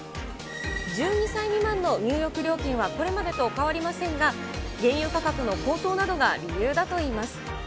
１２歳未満の入浴料金は、これまでと変わりませんが、原油価格の高騰などが理由だといいます。